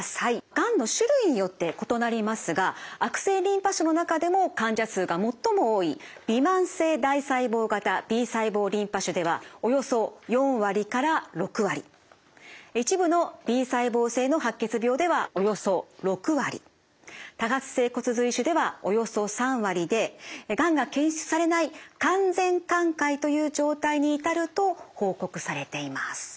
がんの種類によって異なりますが悪性リンパ腫の中でも患者数が最も多いびまん性大細胞型Ｂ細胞リンパ腫ではおよそ４割から６割一部のＢ細胞性の白血病ではおよそ６割多発性骨髄腫ではおよそ３割でがんが検出されない完全寛解という状態に至ると報告されています。